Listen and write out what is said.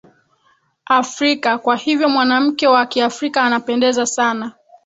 afrika kwa hivyo mwanamke wa kiafrika anapendeza sana